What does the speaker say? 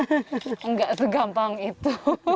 nggak segampang itu